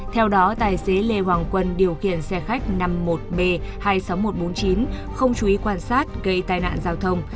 theo đó tài xế lê hoàng quân điều khiển xe khách năm mươi một b hai mươi sáu nghìn một trăm bốn mươi chín không chú ý quan sát gây tai nạn giao thông